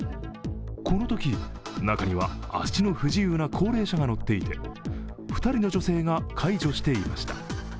このとき、中には足の不自由な高齢者が乗っていて、２人の女性が、介助していました。